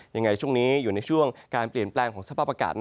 ยังไงช่วงนี้อยู่ในช่วงการเปลี่ยนแปลงของสภาพอากาศ